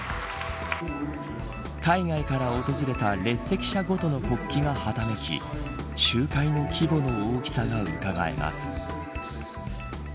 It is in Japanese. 海外から訪れた列席者ごとの国旗がはためき集会の規模の大きさがうかがえます。